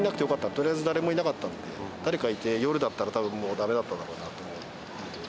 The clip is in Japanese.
とりあえず誰もなかったんで、誰かいて、夜だったら、たぶんもう、だめだっただろうなと思って。